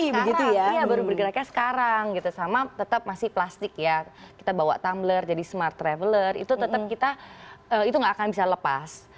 iya baru bergeraknya sekarang gitu sama tetap masih plastik ya kita bawa tumbler jadi smart traveler itu tetap kita itu nggak akan bisa lepas